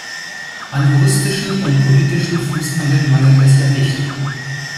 An juristischen und politischen Fußangeln mangelt es ja nicht.